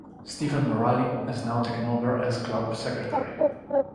Stephen Moralee has now taken over as club secretary.